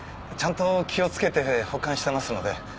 ちゃんと気をつけて保管してますので。